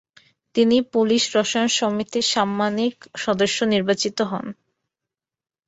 তিনি পোলিশ রসায়ন সমিতির সাম্মানিক সদস্য নির্বাচিত হন।